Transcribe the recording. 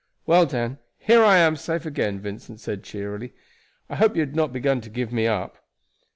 "Well, Dan, here I am safe again," Vincent said cheerily. "I hope you had not begun to give me up."